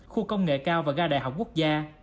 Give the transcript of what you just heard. khu công nghệ cao và ga đại học quốc gia